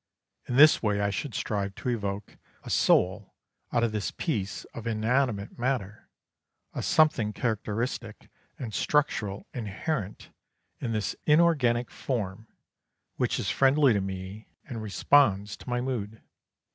In this way I should strive to evoke a soul out of this piece of inanimate matter, a something characteristic and structural inherent in this in organic form which is friendly to me and responds to my mood.